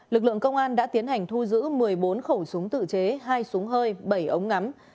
lực lượng công an đã tiến hành thu giữ một mươi bốn khẩu súng tự chế hai súng hơi bảy ống ngắm